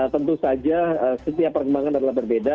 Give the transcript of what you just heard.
tentu saja setiap perkembangan adalah berbeda